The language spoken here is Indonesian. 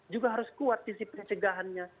juga harus kuat sisi pencegahannya